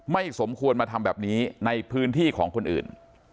สมควรมาทำแบบนี้ในพื้นที่ของคนอื่น